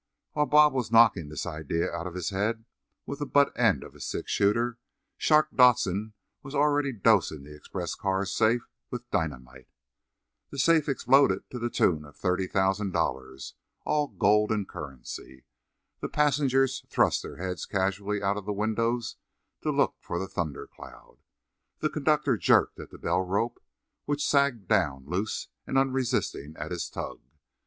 While Bob was knocking this idea out of his head with the butt end of his six shooter Shark Dodson was already dosing the express car safe with dynamite. The safe exploded to the tune of $30,000, all gold and currency. The passengers thrust their heads casually out of the windows to look for the thunder cloud. The conductor jerked at the bell rope, which sagged down loose and unresisting, at his tug.